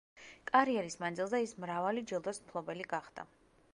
კარიერის მანძილზე ის მრავალი ჯილდოს მფლობელი გახდა.